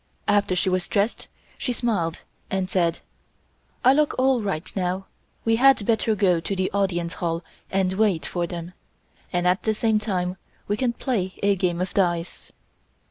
After she was dressed, she smiled and said: "I look all right now. We had better go to the audience hall and wait for them, and at the same time we can play a game of dice."